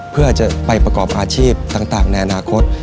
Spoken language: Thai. เพื่อจะไปประกอบอาชีพต่างในอนาคต